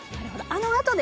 あのあとで？